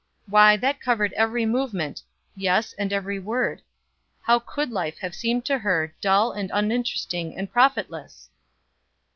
Why that covered every movement yes, and every word. How could life have seemed to her dull and uninteresting and profitless?